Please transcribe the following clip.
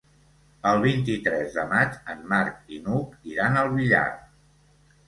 El vint-i-tres de maig en Marc i n'Hug iran al Villar.